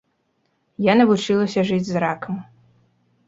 Я навучылася жыць з ракам.